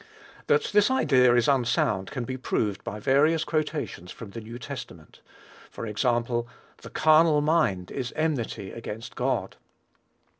That this idea is unsound can be proved by various quotations from the New Testament. For example, "the carnal mind is enmity against God."